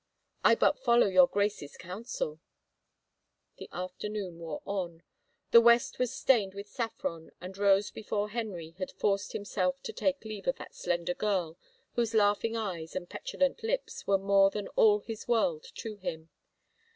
*' I but follow your grace's counsel !" The afternoon wore on. The west was stained with saffron and rose before Henry had forced himself to take leave of that slender girl whose laughing eyes and pet ulant lips were more than all his world to him.